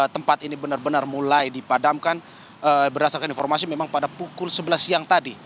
tempat ini benar benar mulai dipadamkan berdasarkan informasi memang pada pukul sebelas siang tadi